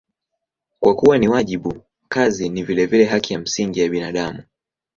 Kwa kuwa ni wajibu, kazi ni vilevile haki ya msingi ya binadamu.